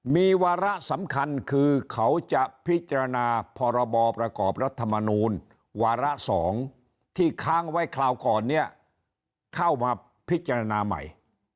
มีวาระสำคัญคือเขาจะพิจารณาพรบประกอบรัฐมนูลวาระ๒ที่ค้างไว้คราวก่อนเนี่ยเข้ามาพิจารณาใหม่